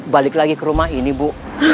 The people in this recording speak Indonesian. balik lagi ke rumah ini bu